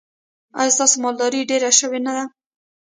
ایا ستاسو مالداري ډیره شوې نه ده؟